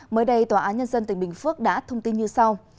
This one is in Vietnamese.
mới đây tòa án nhân dân tỉnh bình phước đã thông tin như sau